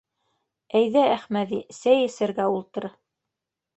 — Әйҙә, Әхмәҙи, сәй эсергә ултыр.